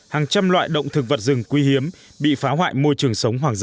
hàng trăm loại động thực vật rừng quý hiếm bị phá hoại môi trường sống hoàng dã